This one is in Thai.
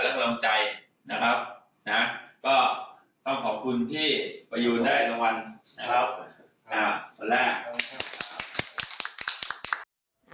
นะครับครับสัญล่ะ